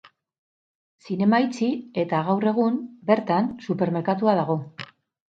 Zinema itxi eta gaur egun bertan supermerkatua dago.